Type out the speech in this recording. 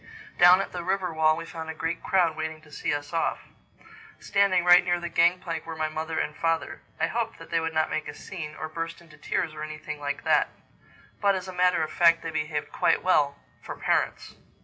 Down at the river wall we found a great crowd waiting to see us off. Standing right near the gang plank were my mother and father. I hoped that they would not make a scene, or burst into tears or anything like that. But as a matter of fact they behaved quite well—for parents.